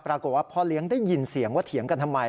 ปรากฏว่าพ่อเลี้ยงได้ยินเสียงว่าเถียงกันทำไม